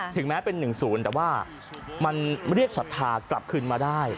ถึงแม้เป็น๑๐แต่ว่ามันเรียกศรัทธากลับคืนมาได้